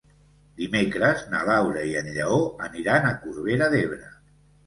Dimecres na Laura i en Lleó aniran a Corbera d'Ebre.